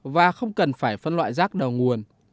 và không cần phải phân loại rác đầu nguồn